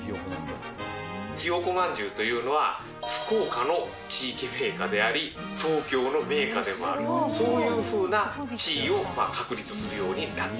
ひよ子まんじゅうというのは、福岡の地域名菓であり、東京の名菓でもある、そういうふうな地位を確立するようになって